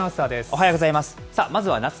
おはようございます。